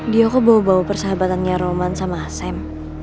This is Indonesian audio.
dia kok bawa bawa persahabatannya roman sama sam